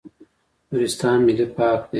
نورستان ملي پارک دی